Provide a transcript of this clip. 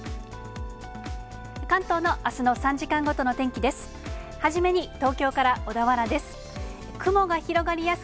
関東のあすの３時間ごとの天気です。